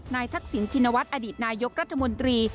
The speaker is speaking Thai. ทักษิณชินวัฒน์อดีตนายกรัฐมนตรี